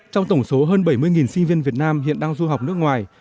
trong tổng số hơn bảy mươi sinh viên việt nam hiện đang du học nước ngoài